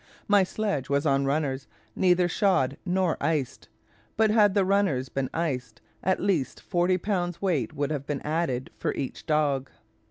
My sledge was on runners, neither shod nor iced; but had the runners been iced, at least forty pounds weight would have been added for each dog."